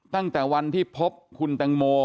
ตั้งแต่วันที่พบคุณแตงโม